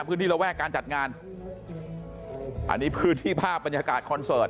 ระแวกการจัดงานอันนี้พื้นที่ภาพบรรยากาศคอนเสิร์ต